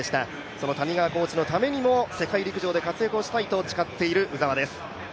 その谷川コーチのためにも世界陸上で活躍したいと誓っている鵜澤です。